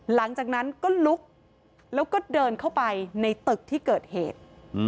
หลังจากนั้นก็ลุกแล้วก็เดินเข้าไปในตึกที่เกิดเหตุ